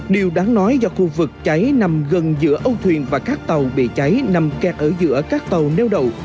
điều đáng nói do khu vực cháy nằm gần giữa âu thuyền và các tàu bị cháy nằm kẹt ở giữa các tàu neo đậu